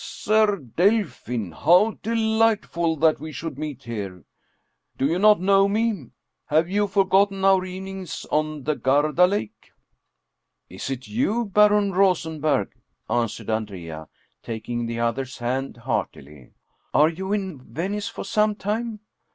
" Ser Delfin! how de lightful that we should meet here! Do you not know me? Have you forgotten our evenings on the Garda Lake ?"" Is it you, Baron Rosenberg? " answered Andrea, taking the other's hand heartily. " Are you in Venice for some time?"